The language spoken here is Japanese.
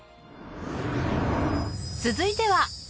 続いては。